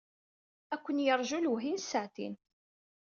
Ad ken-yerju lewhi n ssaɛtin.